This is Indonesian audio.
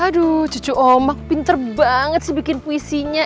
aduh cucu ombak pinter banget sih bikin puisinya